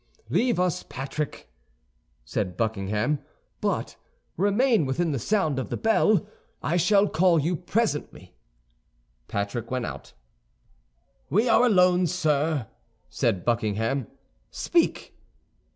"Leave us, Patrick," said Buckingham; "but remain within sound of the bell. I shall call you presently." Patrick went out. "We are alone, sir," said Buckingham; "speak!"